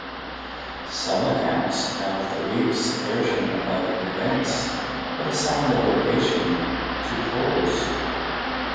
Some accounts tell Philippe's version of events, but assign the location to Cole's.